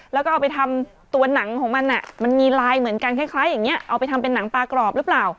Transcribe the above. แล้วก็เอาไปทำตัวหนังของมันมันมีลายเหมือนกันคล้ายอย่างนี้เอาไปทำเป็นหนังปลากรอบหรือเปล่า